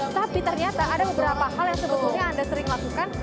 tapi ternyata ada beberapa hal yang sebetulnya anda sering lakukan